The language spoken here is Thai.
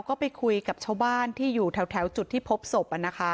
ก็ไปคุยกับชาวบ้านที่อยู่แถวจุดที่พบศพ